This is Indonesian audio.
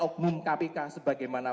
umum kpk sebagaimana